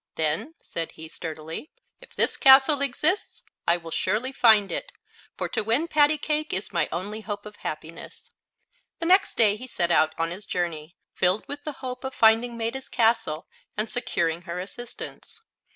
"Then," said he, sturdily, "if this castle exists, I will surely find it, for to win Pattycake is my only hope of happiness." The next day he set out on his journey, filled with the hope of finding Maetta's castle and securing her assistance.